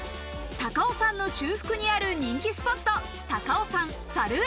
高尾山の中腹にある人気スポット、高尾山さる園。